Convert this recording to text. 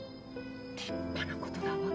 立派なことだわ。